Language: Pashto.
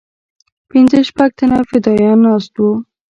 پنځه شپږ تنه فدايان ناست وو.